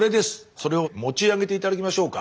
それを持ち上げて頂きましょうか。